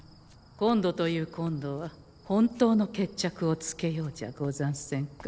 今度という今度は本当の決着をつけようじゃござんせんか。